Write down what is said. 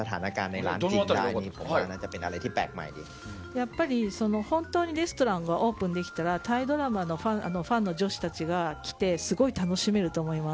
やっぱり、本当にレストランがオープンできたらタイドラマのファンの女子たちが来てすごい楽しめると思います。